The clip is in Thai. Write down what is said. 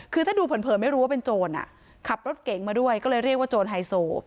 คือถ้าดูเผินไม่รู้ว่าเป็นโจรอขับรถเก๋งมาด้วยก็เลยเรียกว่าโจรไฮโซ